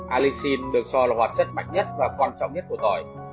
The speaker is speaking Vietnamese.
alisin được cho là hoạt chất mạnh nhất và quan trọng nhất của tỏi